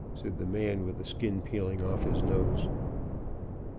said the man with the skin peeling off his nose.